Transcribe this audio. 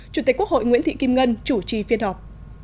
chủ tịch quốc hội nguyễn thị kim ngân chủ trì phiên họp